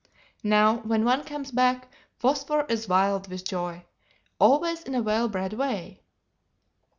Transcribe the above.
Now when one comes back, Phosphor is wild with joy always in a well bred way.